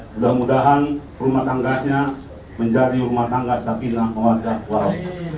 mudah mudahan rumah tangganya menjadi rumah tangga sakinah keluarga kuala